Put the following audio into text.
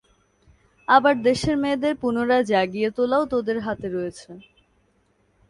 আবার দেশের মেয়েদের পুনরায় জাগিয়ে তোলাও তোদের হাতে রয়েছে।